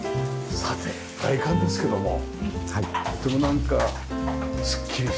さて外観ですけどもとてもなんかすっきりしてます。